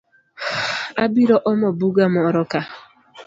Abiro omo buga moroka